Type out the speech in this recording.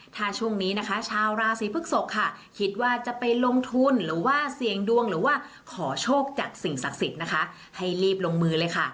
ถ้าช่วงนี้นะคะชาวราศีพฤกษกค่ะคิดว่าจะไปลงทุนหรือว่าเสี่ยงดวงหรือว่าขอโชคจากสิ่งศักดิ์สิทธิ์นะคะให้รีบลงมือเลยค่ะ